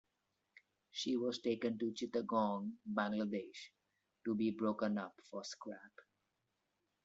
She was taken to Chittagong, Bangladesh, to be broken up for scrap.